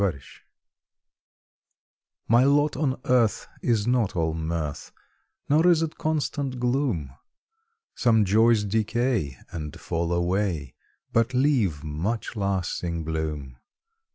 MY LOT My lot on earth is not all mirth, Nor is it constant gloom; Some joys decay and fall away, But leave much lasting bloom.